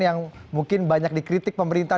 yang mungkin banyak dikritik pemerintah